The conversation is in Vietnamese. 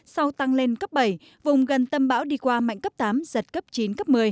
sau tăng lên cấp bảy vùng gần tâm bão đi qua mạnh cấp tám giật cấp chín cấp một mươi